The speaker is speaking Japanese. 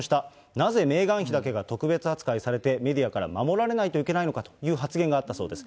なぜメーガン妃だけが特別扱いされて、メディアから守られないといけないのかという発言があったそうです。